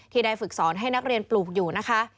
ได้ฝึกสอนให้นักเรียนปลูกอยู่นะคะ